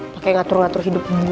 pakai ngatur ngatur hidup gue